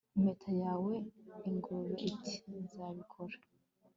impeta yawe? ingurube iti nzabikora